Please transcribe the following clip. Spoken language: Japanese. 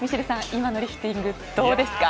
今のリフティング、どうですか？